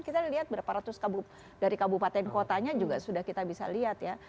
kita lihat berapa ratus dari kabupaten kotanya juga sudah kita bisa lihat ya